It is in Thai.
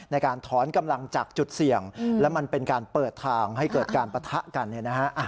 ในการถอนกำลังจากจุดเสี่ยงและมันเป็นการเปิดทางให้เกิดการปะทะกันเนี่ยนะฮะ